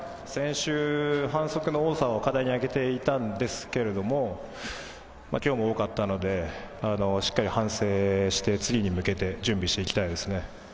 先週、反則の多さを課題に挙げていたんですが、今日も多かったので、しっかり反省して、次に向けて準備していきたいですね。